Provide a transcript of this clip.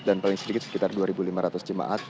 dan paling sedikit sekitar dua lima ratus jemaat